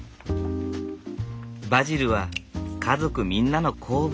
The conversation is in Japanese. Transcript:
バジルは家族みんなの好物。